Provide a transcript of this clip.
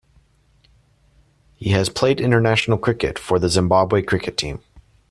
He has played international cricket for the Zimbabwe cricket team.